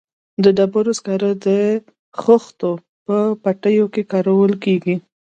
د ډبرو سکاره د خښتو په بټیو کې کارول کیږي